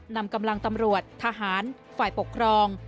นำกำลังตำรวจทหารฝ่ายปกครอง